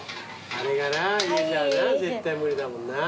あれがな家じゃあな絶対無理だもんな。